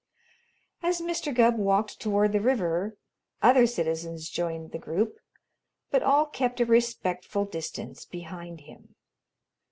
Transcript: As Mr. Gubb walked toward the river, other citizens joined the group, but all kept a respectful distance behind him.